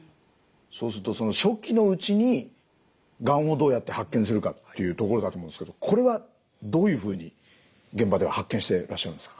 そうするとその初期のうちにがんをどうやって発見するかっていうところだと思うんですけどこれはどういうふうに現場では発見してらっしゃるんですか？